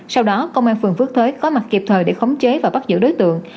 sau đó công an phường phước thới có mặt kịp thời để khống chế và bắt giữ đối tượng